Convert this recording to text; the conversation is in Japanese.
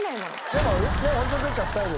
でもホントに哲ちゃん２人で。